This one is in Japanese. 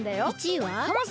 １位は？